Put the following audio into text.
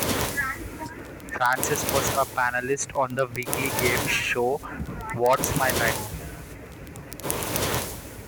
Francis was a panelist on the weekly game show What's My Line?